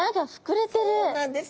そうなんです！